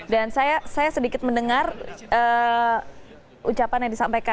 dan saya sedikit mendengar ucapan yang disampaikan